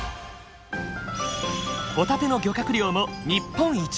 ホタテの漁獲量も日本一！